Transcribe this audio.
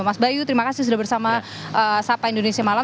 mas bayu terima kasih sudah bersama sapa indonesia malam